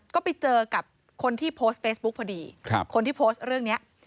ก็ไปเจอกับคนที่โพสต์เฟซบุ๊คพอดีคนที่โพสต์เรื่องนี้